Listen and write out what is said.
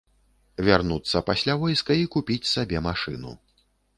Вярнуцца пасля войска і купіць сабе машыну.